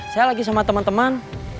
saya lagi sama teman teman